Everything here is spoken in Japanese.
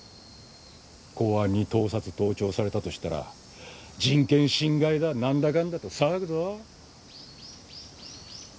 公安に盗撮盗聴されたと知ったら人権侵害だなんだかんだと騒ぐぞ。